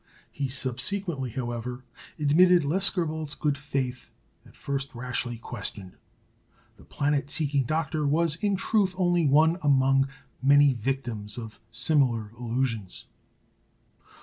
" He subsequently, however, admitted Lescarbault's good faith, at first rashly questioned. The planet seeking doctor was, in truth, only one among many victims of similar illusions.